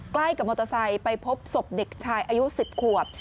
ใกล้กับมอเตอร์ไซค์ไปพบศพเด็กชายอายุ๑๐ขวบ